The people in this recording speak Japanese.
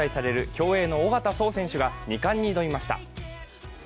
競泳の小方颯選手が２冠に挑みました。